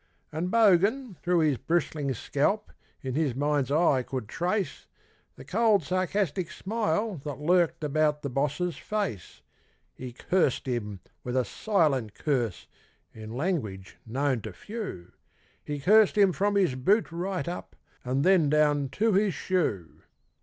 And Bogan through his bristling scalp in his mind's eye could trace, The cold, sarcastic smile that lurked about the Boss's face; He cursed him with a silent curse in language known to few, He cursed him from his boot right up, and then down to his shoe.